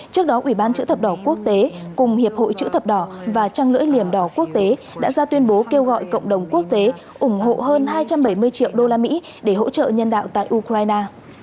trước đó ủy ban chữ thập đỏ quốc tế cùng hiệp hội chữ thập đỏ và trăng lưỡi liềm đỏ quốc tế đã ra tuyên bố kêu gọi cộng đồng quốc tế ủng hộ hơn hai trăm bảy mươi triệu đô la mỹ để hỗ trợ nhân đạo tại ukraine